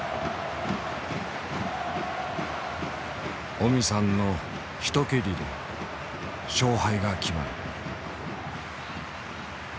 オミさんの一蹴りで勝敗が決まる。